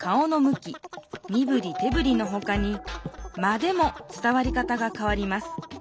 きみぶりてぶりのほかに「間」でも伝わり方がかわります。